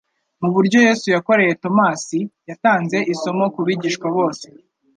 Mu buryo Yesu yakoreye Tomasi, yatanze isomo ku bigishwa bose.